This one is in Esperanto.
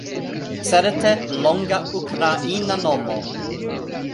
Certe longa Ukraina nomo